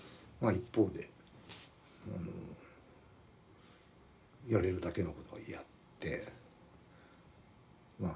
一方でやれるだけのことはやってまあ